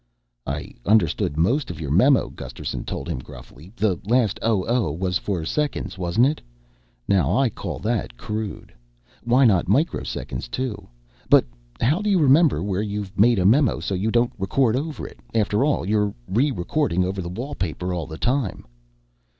"I understood most of your memo," Gusterson told him gruffly. "The last 'Oh oh' was for seconds, wasn't it? Now I call that crude why not microseconds too? But how do you remember where you've made a memo so you don't rerecord over it? After all, you're rerecording over the wallpaper all the time."